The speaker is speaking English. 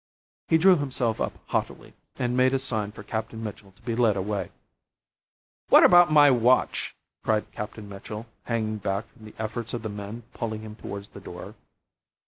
He drew himself up haughtily, and made a sign for Captain Mitchell to be led away. "What about my watch?" cried Captain Mitchell, hanging back from the efforts of the men pulling him towards the door.